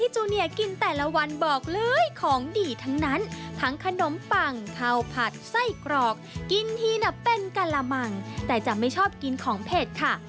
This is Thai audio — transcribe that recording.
จริงที่นะเป็นกะละมังแต่จะไม่ชอบกินของเผ็ดค่ะ